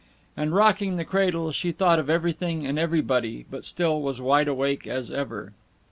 And, rocking the cradle, she thought of everything and everybody, but still was wide awake as ever.